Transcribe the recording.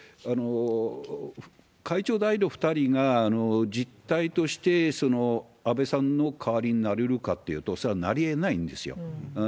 会長代理の２人が実態として安倍さんの代わりになれるかっていうと、それはなりえないんですよ。